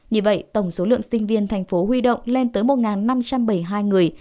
như vậy tổng số lượng sinh viên thành phố huy động lên tới một năm trăm bảy mươi hai người